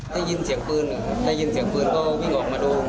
ได้ยินเสียงปืนนะครับได้ยินเสียงปืนก็วิ่งออกมาดู